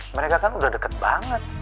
mereka kan udah deket banget